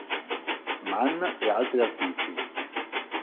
Mann e altri artisti.